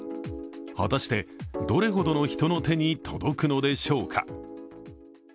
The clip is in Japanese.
果たしてどれほどの人の手に届くのでしょうか。